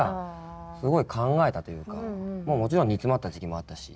すごい考えたというかもちろん煮詰まった時期もあったし。